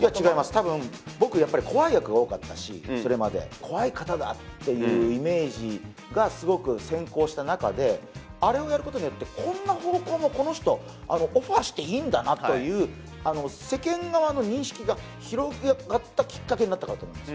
多分僕やっぱり怖い役が多かったしそれまで怖い方だっていうイメージがすごく先行した中であれをやることによってこんな方向もこの人オファーしていいんだなという世間側の認識が広がったきっかけになったかと思います